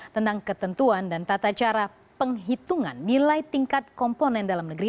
tentang ketentuan dan tata cara penghitungan nilai tingkat komponen dalam negeri